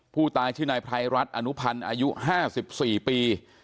ผู้ตายชื่อนายไพรรัฐอนุพันธ์อายุ๕๔ปี